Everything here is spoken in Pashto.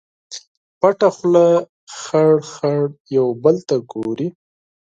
پټه خوله خړ، خړ یو بل ته ګوري